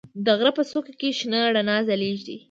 د غره په څوکه کې شنه رڼا ځلېږي.